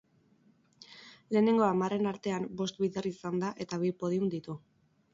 Lehenengo hamarren artean bost bider izan da eta bi podium ditu.